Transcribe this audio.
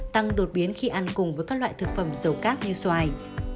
tăng đột biến khi ăn cùng với các loại thực phẩm dầu khác như xoài